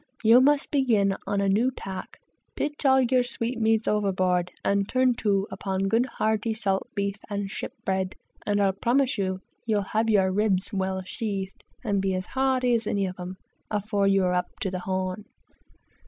You must begin on a new tack, pitch all your sweetmeats overboard, and turn to upon good hearty salt beef and sea bread, and I'll promise you, you'll have your ribs well sheathed, and be as hearty as any of 'em, afore you are up to the Horn."